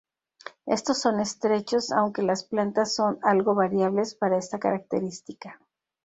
Estos son estrechos, aunque las plantas son algo variables para esta característica.